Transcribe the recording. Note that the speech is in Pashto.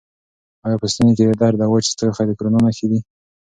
آیا په ستوني کې درد او وچ ټوخی د کرونا نښې دي؟